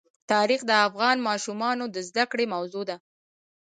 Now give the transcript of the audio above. تاریخ د افغان ماشومانو د زده کړې موضوع ده.